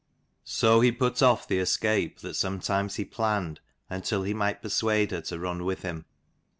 So he put off the escape that sometimes he planned, until he might persuade her to run with him.